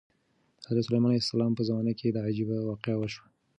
د حضرت سلیمان علیه السلام په زمانه کې دا عجیبه واقعه وشوه.